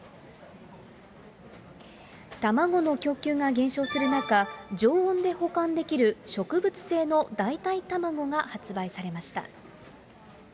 卵の供給が減少する中、常温で保管できる植物性の代替卵が発売されました。